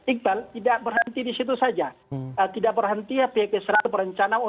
iqbal tidak berhenti di situ saja